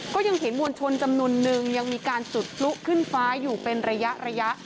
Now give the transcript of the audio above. ก็ยังเห็นมวลชนจำนวนนึงยังมีการจุดพลุขึ้นฟ้าอยู่เป็นระยะระยะ